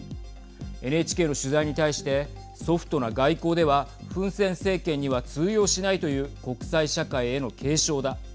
ＮＨＫの取材に対してソフトな外交ではフン・セン政権には通用しないという国際社会への警鐘だ。